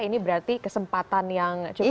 ini berarti kesempatan yang cukup